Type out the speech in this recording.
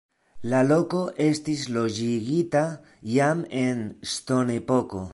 La loko estis loĝigita jam en ŝtonepoko.